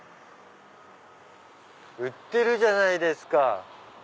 売ってるじゃないですか！